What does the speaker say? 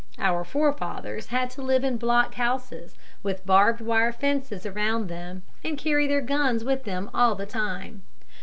Our forefathers had to live in block houses, with barbed wire fences around them, and carry their guns with them all the time.